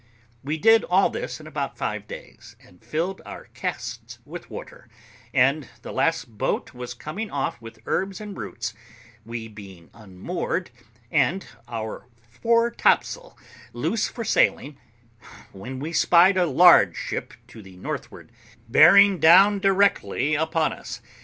We did all this in about five days, and filled our casks with water; and the last boat was coming off with herbs and roots, we being unmoored, and our fore topsail loose for sailing, when we spied a large ship to the northward, bearing down directly upon us.